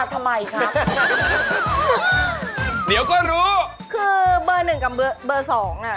ตัวหนึ่งกับสอง